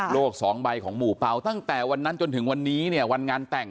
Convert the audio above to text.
สองใบของหมู่เปล่าตั้งแต่วันนั้นจนถึงวันนี้เนี่ยวันงานแต่ง